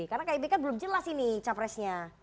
karena kib kan belum jelas ini capresnya